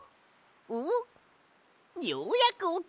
おっようやくおきた！